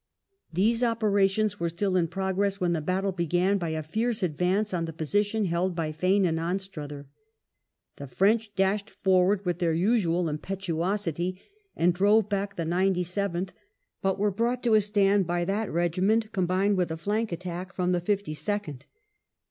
These operations were still in progress when the battle began by a fierce advance on the position held by Fane and Anstruther. The French dashed forward with their usual impetuosity and drove back the Ninety seventh, but were brought to a stand by that regiment combined with a flank attack from the Fifty second.